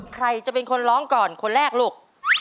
ใครจะเป็นคนร้องก่อนคนแรกลูก